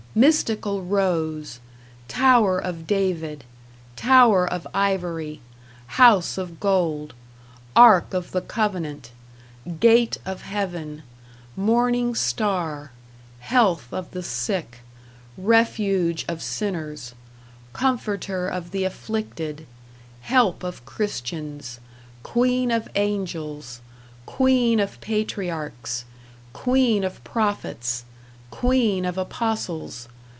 Mystical rose. Tower of David. Tower of ivory. House of gold. Ark of the covenant. Gate of heaven. Morning Star. Health of the sick. Refuge of sinners. Comforter of the afflicted. Help of Christians. Queen of Angels. Queen of Patriarchs. Queen of Prophets. Queen of Apostles.